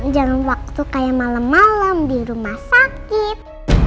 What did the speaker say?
jangan waktu kaya malem malem di rumah sakit